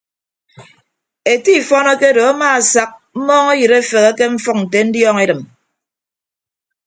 Ete ifọn akedo amaasak mmọọñọyịd afeghe ke mfʌk nte ndiọñ edịm.